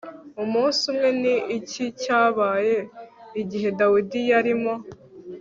umunsi umwe ni iki cyabaye igihe dawidi yarimo